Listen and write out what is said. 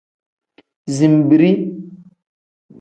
Zinbiri.